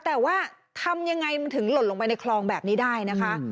แต่ว่าทำยังไงมันถึงหล่นลงไปในคลองแบบนี้ได้นะคะ